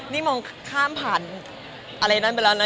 นี่มองข้ามผ่านอะไรนั้นไปแล้วนะ